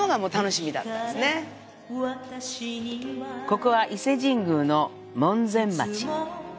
ここは伊勢神宮の門前町。